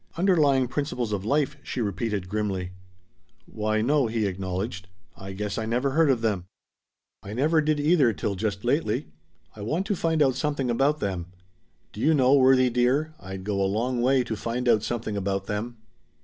"Underlying principles of life," she repeated grimly. "Why no," he acknowledged, "I guess I never heard of them." "I never did either, till just lately. I want to find out something about them. Do you know, Worthie dear, I'd go a long way to find out something about them."